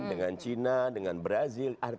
dengan china dengan brazil